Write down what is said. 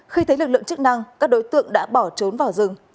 khi thấy lực lượng chức năng các đối tượng đã bỏ trốn vào rừng